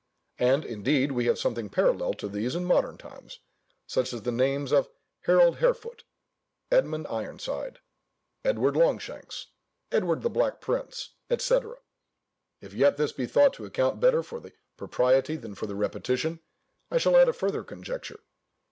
And, indeed, we have something parallel to these in modern times, such as the names of Harold Harefoot, Edmund Ironside, Edward Longshanks, Edward the Black Prince, &c. If yet this be thought to account better for the propriety than for the repetition, I shall add a further conjecture.